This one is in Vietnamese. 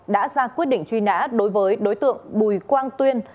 đã ra quyết định truy nã đối với đối tượng bùi quang tuyên